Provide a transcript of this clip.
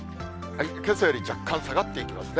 けさより若干下がっていきますね。